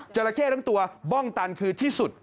จราเข้ทั้งตัวบ้องตันคือที่สุด